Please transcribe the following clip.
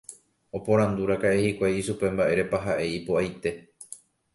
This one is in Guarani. Oporandúraka'e hikuái ichupe mba'érepa ha'e ipo'aite.